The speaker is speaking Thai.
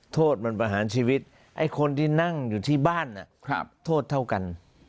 โทษมันประหารชีวิตไอ้คนที่นั่งอยู่ที่บ้านโทษเท่ากัน